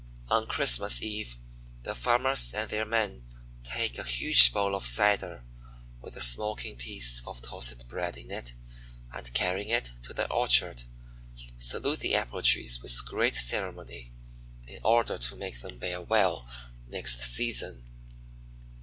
On Christmas Eve the farmers and their men take a huge bowl of cider, with a smoking piece of toasted bread in it and, carrying it to the orchard, salute the Apple trees with great ceremony, in order to make them bear well next season.